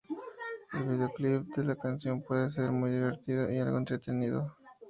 El videoclip de la canción puede ser muy divertido y algo entretenido.